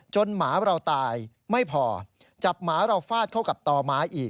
หมาเราตายไม่พอจับหมาเราฟาดเข้ากับต่อหมาอีก